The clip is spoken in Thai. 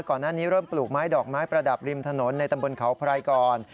ก่อนหน้านี้เริ่มปลูกไม้ดอกไม้ประดับริมถนนในตำบลเขาไพรก่อน